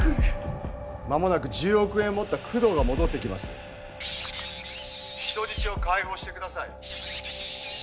まもなく１０億円を持った工藤が戻ってきます人質を解放してください